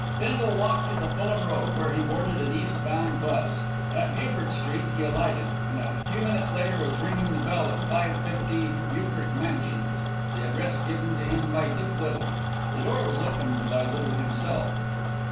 Bindle walked to the Fulham Road, where he boarded an east bound bus. At Beaufort Street he alighted, and a few minutes later was ringing the bell at 550 Beaufort Mansions, the address given to him by Dick Little. The door was opened by Little himself.